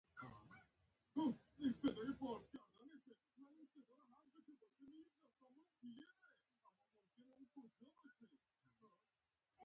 د ترکستان یاغیان مو وځپل.